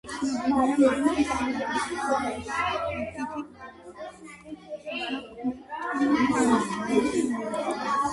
ცნობილია მარტინ სკორსეზეს, რიდლი სკოტისა და კვენტინ ტარანტინოს ფილმებში შესრულებული როლებით.